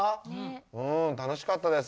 うん楽しかったです。